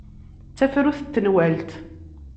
D tafrut n tenwalt.